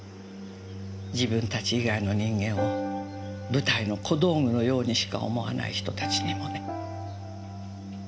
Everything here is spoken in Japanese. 自分たち以外の人間を舞台の小道具のようにしか思わない人たちにもね。